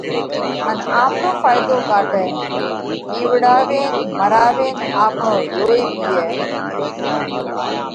ان آپرو ڦائيۮو ڪاڍئه؟ ٻِيوَڙاوينَ، ڀرماوينَ آپڻو لوئِي پِيئه؟